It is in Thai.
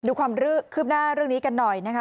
ดูความคืบหน้าเรื่องนี้กันหน่อยนะคะ